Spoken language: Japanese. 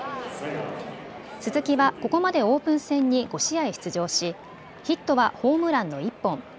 鈴木は、ここまでオープン戦に５試合出場しヒットはホームランの１本。